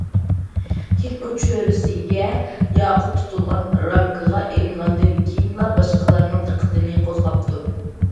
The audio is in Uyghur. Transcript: كېيىن ئۇ چۆرىسىگە ياقۇت تۇتۇلغان رامكىغا ئېلىنغاندىن كېيىنلا باشقىلارنىڭ دىققىتىنى قوزغاپتۇ.